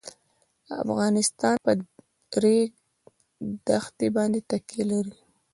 افغانستان په د ریګ دښتې باندې تکیه لري.